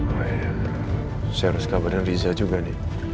saya harus kabar dengan riza juga nih